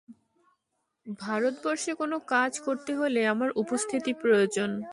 ভারতবর্ষে কোন কাজ করতে হলে, আমার উপস্থিতি প্রয়োজন।